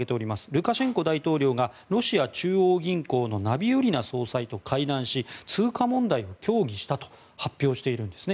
ルカシェンコ大統領がロシア中央銀行のナビウリナ総裁と会談し通貨問題を協議したと発表しているんです。